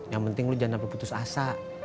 yang penting lo jangan dapet putus asa